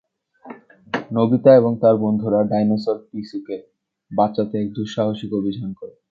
Nobita এবং তার বন্ধুরা ডাইনোসর পিসুকে-কে বাঁচাতে এক দুঃসাহসিক অভিযান করে।